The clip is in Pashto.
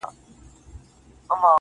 سرکښي نه کوم نور خلاص زما له جنجاله یې